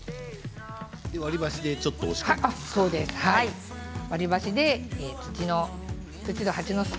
割り箸でちょっと押し込むんですか？